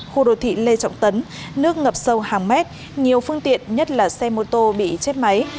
khu đô thị lê trọng tấn nước ngập sâu hàng mét nhiều phương tiện nhất là xe mô tô bị chết máy